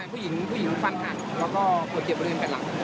ผู้หญิงผู้หญิงฟันหักแล้วก็ผู้เจ็บตัวเองเป็นหลัก